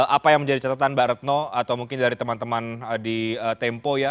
apa yang menjadi catatan mbak retno atau mungkin dari teman teman di tempo ya